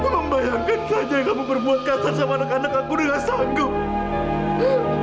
membayangkan saja yang kamu berbuat kasar sama anak anak aku dengan sanggup